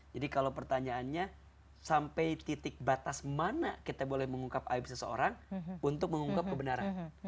jadi kalau pertanyaannya sampai titik batas mana kita boleh mengungkap aib seseorang untuk mengungkap kebenaran